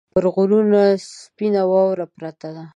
پر غرو سپینه واوره پرته وه